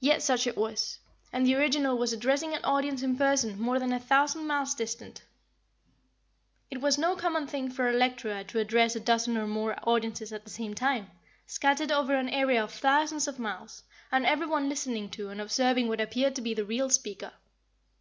Yet such it was, and the original was addressing an audience in person more than a thousand miles distant. It was no common thing for a lecturer to address a dozen or more audiences at the same time, scattered over an area of thousands of miles, and every one listening to and observing what appeared to be the real speaker.